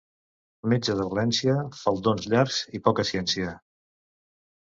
Metge de València, faldons llargs i poca ciència.